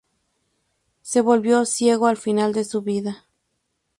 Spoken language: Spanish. Se volvió ciego al final de su vida.